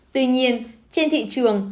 tuy nhiên trên thị trường